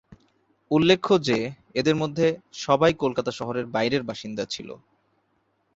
উল্লেখ্য যে, এদের মধ্যে সবাই কলকাতা শহরের বাইরের বাসিন্দা ছিল।